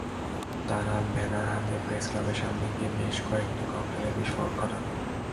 তাঁরা ব্যানার হাতে প্রেসক্লাবের সামনে গিয়ে বেশ কয়েকটি ককটেলের বিস্ফোরণের ঘটান।